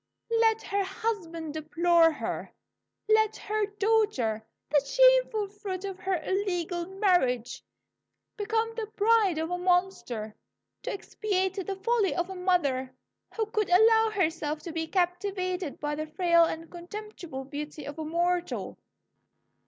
Let her husband deplore her! Let her daughter, the shameful fruit of her illegal marriage, become the bride of a monster, to expiate the folly of a mother who could allow herself to be captivated by the frail and contemptible beauty of a mortal!'